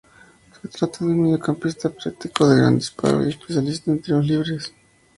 Se trata de un mediocampista práctico de gran disparo y especialista en tiros libres.